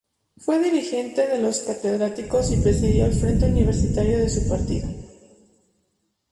Fue dirigente de los catedráticos y presidió el frente universitario de su partido.